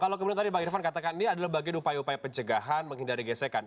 kalau kemudian tadi bang irvan katakan ini adalah bagian upaya upaya pencegahan menghindari gesekan